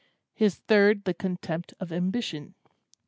His third was the contempt of ambition.